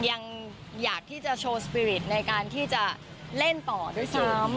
ยังอยากที่จะโชว์สปีริตในการที่จะเล่นต่อด้วยซ้ำ